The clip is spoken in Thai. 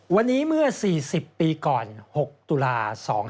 วันนี้เมื่อ๔๐ปีก่อน๖ตุลา๒๕๖